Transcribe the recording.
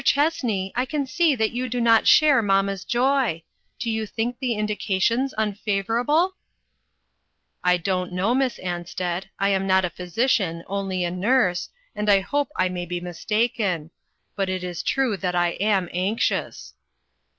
Chessney, I can see that you do not share mamma's joy. Do you think the in dications unfavorable ?"" I don't know, Miss Ansted. I am not a physician, only a nurse, and I hope I may be mistaken ; but it is true that I am anxious."